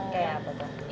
kayak apa tuh